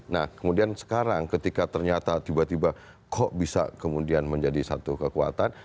nah kemudian sekarang ketika ternyata tiba tiba kok bisa kemudian menjadi satu kekuatan